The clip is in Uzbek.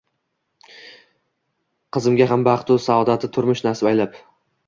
qizimga ham baxtu saodatli turmush nasib aylab